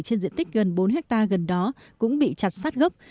trên diện tích gần bốn hectare gần đó cũng bị chặt sát gốc